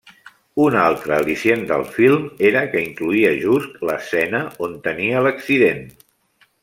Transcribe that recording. Un altre al·licient del film era que incloïa just l'escena on tenia l'accident.